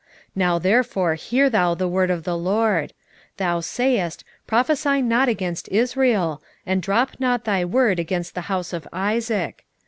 7:16 Now therefore hear thou the word of the LORD: Thou sayest, Prophesy not against Israel, and drop not thy word against the house of Isaac.